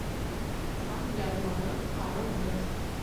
Хан ярлығы ҡарыуһыҙ.